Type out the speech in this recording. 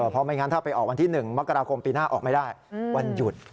เพราะไม่งั้นถ้าไปออกวันที่๑มกราคมปีหน้าออกไม่ได้วันหยุด